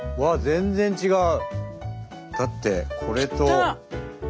全然違う。